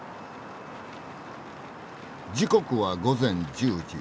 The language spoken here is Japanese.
時刻は午前１０時。